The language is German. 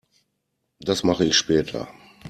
Das mache ich später.